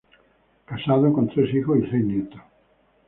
Casado, con tres hijos y seis nietos.